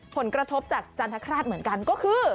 ผลกระทบจากจันทคราชเหมือนกันก็คือ